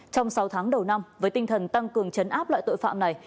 trong sáu tháng đầu năm với tinh thần tăng cường chấn áp loại tội phạm này